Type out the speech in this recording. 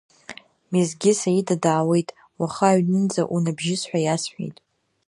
Мезгьы Саида даауеит, уаха аҩны-нӡа унабжьыс ҳәа иасҳәеит.